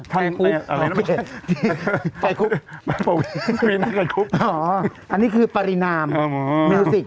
ใครคุบอะไรนะไม่ใช่ใครคุบอ๋ออันนี้คือปรินามอ๋อมิวสิก